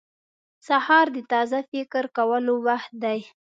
• سهار د تازه فکر کولو وخت دی.